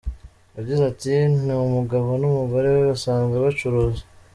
Yagize ati “Ni umugabo n’umugore we basanzwe bacuruza.